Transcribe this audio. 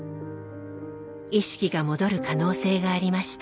意識が戻る可能性がありました。